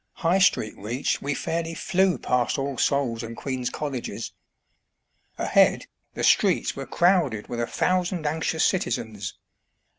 High Street reached, we fairly flew past All Souls' and Queen's Colleges. Ahead, the streets were crowded with a thousand anxious citi zens.